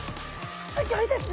すギョいですね！